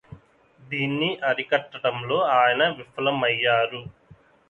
దీన్ని అరికట్టడంలో ఆయన విఫలమయ్యారు